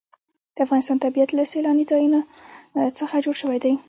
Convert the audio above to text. د افغانستان طبیعت له سیلانی ځایونه څخه جوړ شوی دی.